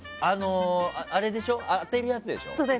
当てるやつでしょ。